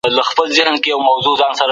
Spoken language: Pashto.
د قدرت بېلابېل ډولونه کوم دي؟